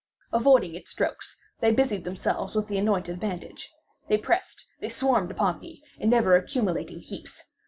Avoiding its strokes they busied themselves with the anointed bandage. They pressed—they swarmed upon me in ever accumulating heaps.